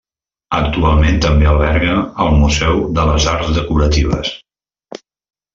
Actualment també alberga el Museu de les Arts Decoratives.